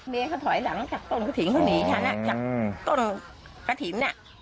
เขาถอยหลังจากต้นกระถิ่นเขาหนีฉันจากต้นกระถิ่น